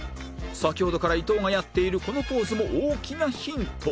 先ほどから伊藤がやっているこのポーズも大きなヒント